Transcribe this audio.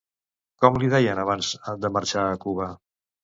Com li deien abans de marxar a Cuba?